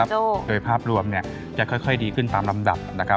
โดยภาพรวมเนี่ยจะค่อยดีขึ้นตามลำดับนะครับ